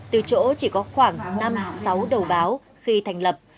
từ chỗ chỉ có khoảng năm sáu đầu báo khi thành lập